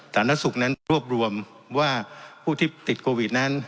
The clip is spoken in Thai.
สาธารณสุขนั้นรวบรวมว่าผู้ที่ติดโควิดนั้น